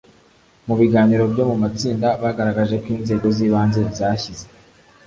Mu biganiro byo mu matsinda bagaragaje ko inzego z ibanze zashyize